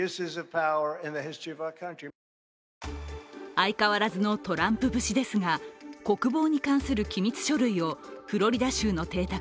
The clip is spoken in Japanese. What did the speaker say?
相変わらずのトランプ節ですが国防に関する機密書類をフロリダ州の邸宅